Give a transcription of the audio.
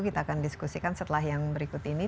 kita akan diskusikan setelah yang berikut ini